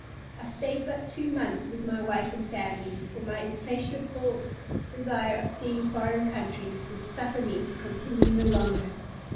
I stayed but two months with my wife and family; for my insatiable desire of seeing foreign countries would suffer me to continue no longer.